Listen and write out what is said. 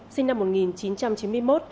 sinh năm một nghìn chín trăm chín mươi một